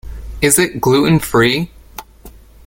Is it gluten-free?